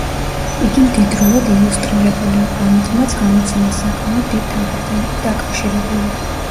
იგი მდიდრულად ილუსტრირებული იყო, ამიტომაც გამოცემა საკმაოდ დიდ თანხებთან იყო დაკავშირებული.